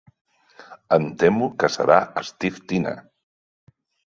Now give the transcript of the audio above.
Em temo que serà Steve Tina.